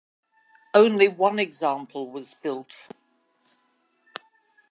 Only one example was built.